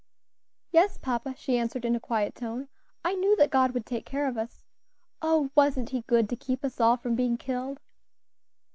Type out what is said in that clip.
"Yes, papa," she answered, in a quiet tone, "I knew that God would take care of us. Oh! wasn't He good to keep us all from being killed?"